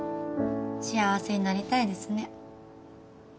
幸せになりたいですね。